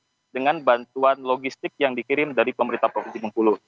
dan juga dengan bantuan logistik yang dikirim dari pemerintah provinsi bungkulo